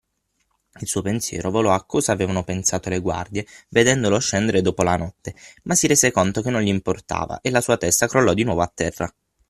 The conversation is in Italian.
Il suo pensiero volò a cosa avevano pensato le guardie vedendolo scendere dopo la notte, ma si rese conto che non gli importava e la sua testa crollò di nuovo a terra.